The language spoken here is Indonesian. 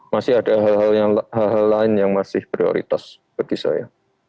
masih ada hal hal lain yang masih prioritas bagi saya